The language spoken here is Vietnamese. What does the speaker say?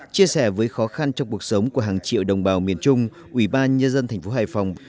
chia sẻ với khó khăn trong cuộc sống của hàng triệu đồng bào miền trung ủy ban nhân dân thành phố hải phòng